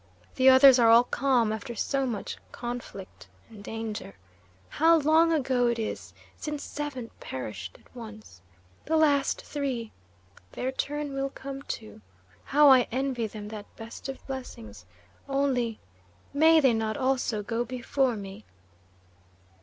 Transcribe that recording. The others are all calm after so much conflict and danger. How long ago it is since seven perished at once! The last three their turn will come too. How I envy them that best of blessings, only may they not also go before me!"